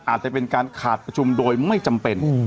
อาจจะเป็นการขาดประชุมโดยไม่จำเป็น